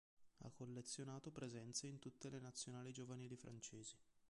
Ha collezionato presenze in tutte le nazionali giovanili francesi.